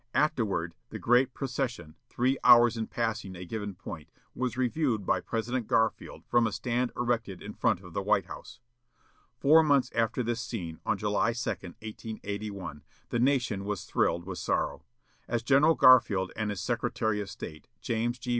Afterward, the great procession, three hours in passing a given point, was reviewed by President Garfield from a stand erected in front of the White House. Four months after this scene, on July 2, 1881, the nation was thrilled with sorrow. As General Garfield and his Secretary of State, James G.